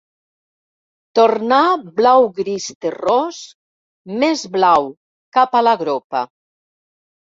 Tornar blau-gris terrós, més blau cap a la gropa.